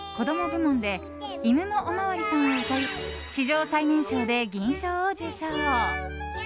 部門で「いぬのおまわりさん」を歌い史上最年少で銀賞を受賞。